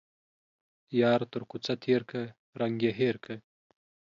يار تر کوڅه تيرکه ، رنگ يې هير که.